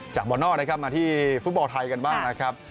บอลนอกนะครับมาที่ฟุตบอลไทยกันบ้างนะครับ